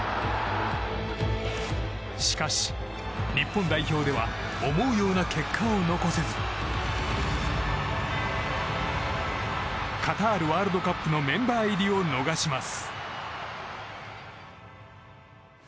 しかし、日本代表では思うような結果を残せずカタールワールドカップのメンバー入りを逃します。